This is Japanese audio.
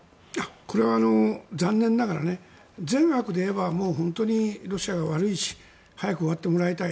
これは残念ながら善悪でいえばロシアが悪いし早く終わってもらいたい。